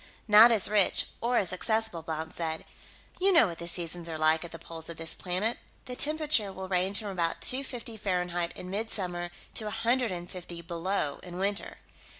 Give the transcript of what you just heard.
"Not as rich, or as accessible," Blount said. "You know what the seasons are like, at the poles of this planet. The temperature will range from about two fifty Fahrenheit in mid summer to a hundred and fifty below in winter.